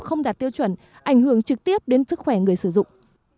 không đạt tiêu chuẩn ảnh hưởng trực tiếp đến sức khỏe người sử dụng